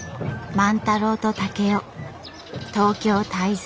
万太郎と竹雄東京滞在